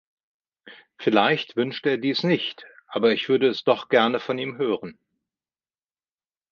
Vielleicht wünscht er dies nicht, aber ich würde es doch gerne von ihm hören.